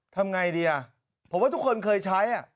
ทำไงดีอ่ะผมว่าทุกคนเคยใช้